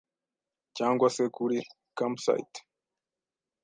cyangwa se kuri ‘Camp site’,